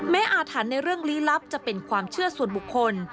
อาถรรพ์ในเรื่องลี้ลับจะเป็นความเชื่อส่วนบุคคล